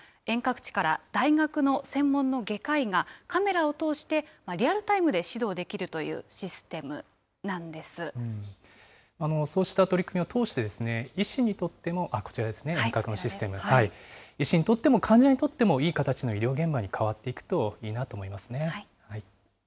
こちらは地方の病院の医師が行う手術を、遠隔地から大学の専門の外科医がカメラを通して、リアルタイムで指導できるというシステそうした取り組みを通して、医師にとっても、こちらですね、遠隔のシステム、医師にとっても患者にとってもいい形の医療現場に変わっていくといいなと思い